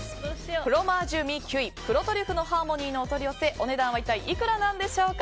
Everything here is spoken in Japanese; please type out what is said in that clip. フロマージュ・ミ・キュイ黒トリュフのハーモニーのお取り寄せお値段は一体いくらなんでしょうか